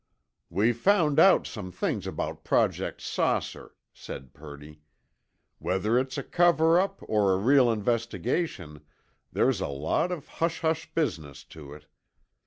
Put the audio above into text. "We've found out some things about Project 'Saucer,' said Purdy. "Whether it's a cover up or a real investigation, there's a lot of hush hush business to it.